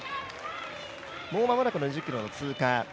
もう間もなく２０ｋｍの通過。